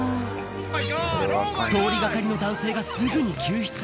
通りがかりの男性がすぐに救出。